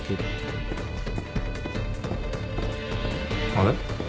あれ？